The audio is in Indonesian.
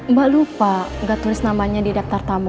mbak lupa gak tulis namanya di daftar tamu